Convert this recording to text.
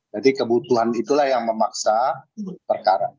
jadi kebutuhan itulah yang memaksa perkara